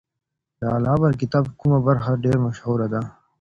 د العبر کتاب کومه برخه ډیره مشهوره ده؟